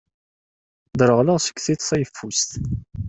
Ddreɣleɣ seg tiṭ tayeffust.